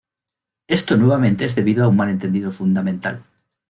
Esto nuevamente es debido a un malentendido fundamental.